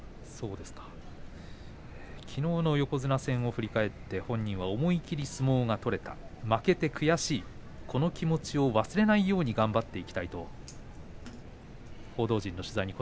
きのうの横綱戦を振り返って思い切り相撲が取れた負けて悔しい、この気持ちを忘れないように頑張りたいいいですね。